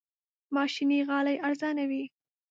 ماشيني غالۍ ارزانه وي.